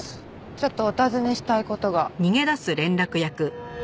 ちょっとお尋ねしたい事が。